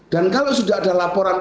dan kalau sudah ada laporan